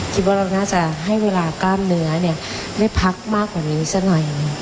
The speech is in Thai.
คิดว่าเราน่าจะให้เวลากล้ามเนื้อเนี่ยได้พักมากกว่านี้ซะหน่อย